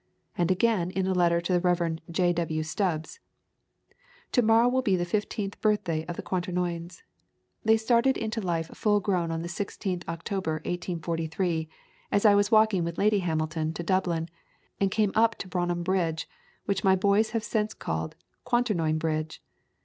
And again in a letter to the Rev. J. W. Stubbs: "To morrow will be the fifteenth birthday of the Quaternions. They started into life full grown on the 16th October, 1843, as I was walking with Lady Hamilton to Dublin, and came up to Brougham Bridge which my boys have since called Quaternion Bridge.